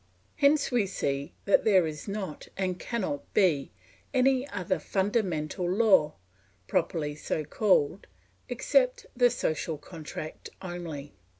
Hence we see that there is not, and cannot be, any other fundamental law, properly so called, except the social contract only.